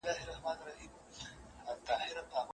چي به پورته د غوايی سولې رمباړي